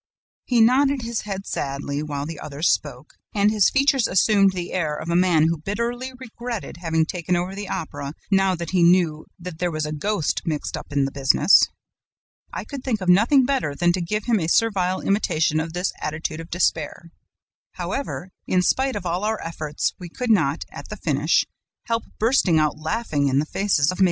He nodded his head sadly, while the others spoke, and his features assumed the air of a man who bitterly regretted having taken over the Opera, now that he knew that there was a ghost mixed up in the business. I could think of nothing better than to give him a servile imitation of this attitude of despair. However, in spite of all our efforts, we could not, at the finish, help bursting out laughing in the faces of MM.